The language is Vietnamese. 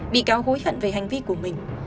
bị cáo hối hận về hành vi của mình